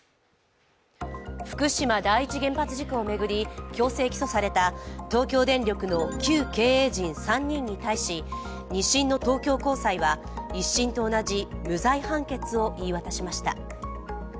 福島第一原原発事故を巡り、強制起訴された東京電力の旧経営陣３人に対し、２審の東京高裁は１審と同じ無罪判決を言い渡しました。